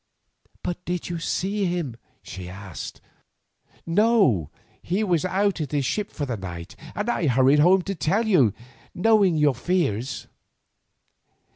"But did you see him?" she asked. "No, he was out at his ship for the night, and I hurried home to tell you, knowing your fears."